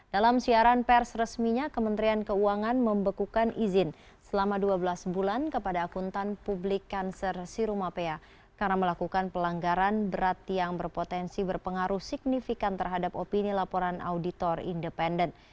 dalam siaran pers resminya kementerian keuangan membekukan izin selama dua belas bulan kepada akuntan publik cancer sirumapea karena melakukan pelanggaran berat yang berpotensi berpengaruh signifikan terhadap opini laporan auditor independen